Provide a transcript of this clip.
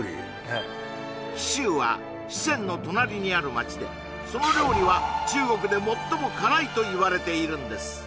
はい貴州は四川の隣にある街でその料理は中国で最も辛いといわれているんです